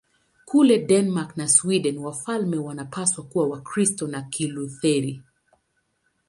Kule Denmark na Sweden wafalme wanapaswa kuwa Wakristo wa Kilutheri.